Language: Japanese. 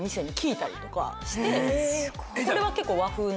これは結構。